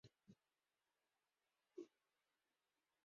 At the same time, the Australian dollar ceased to officially circulate.